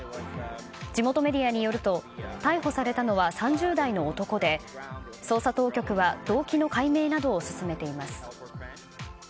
地元メディアによると逮捕されたのは３０代の男で捜査当局は動機の解明などを進めています。